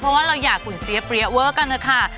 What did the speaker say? เพราะว่าเราอยากหุ่นเสียเปรี้ยเวอร์กันนะคะ